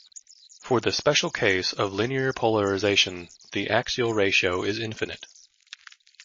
For the special case of linear polarization, the axial ratio is infinite.